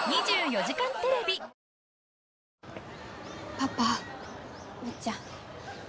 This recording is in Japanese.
パパむっちゃん。